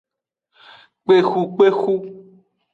Kpexukpexu.